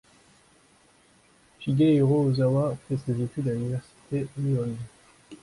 Shigehiro Ozawa fait ses études à l'université Nihon.